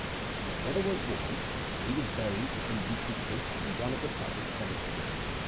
The weather was warm, and he was buried with indecent haste in one of the public cemeteries.